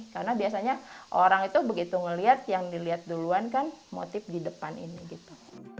karena biasanya orang itu begitu melihat yang dilihat duluan kan motif di depan ini gitu